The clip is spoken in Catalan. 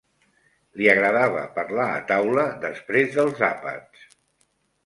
Li agradava parlar a taula després dels àpats.